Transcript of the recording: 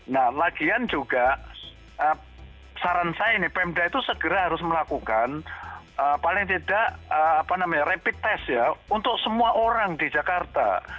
nah lagian juga saran saya ini pemda itu segera harus melakukan paling tidak rapid test ya untuk semua orang di jakarta